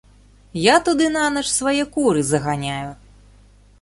Я туды нанач свае куры заганяю.